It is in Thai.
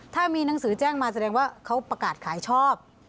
ถ้ามีหนังสือแจ้งมาแสดงว่าเขาประกาศขายชอบ